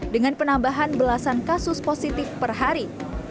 dengan penambahan belasan kasus positif per hari